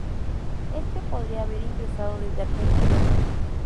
Este podría haber ingresado desde Argentina.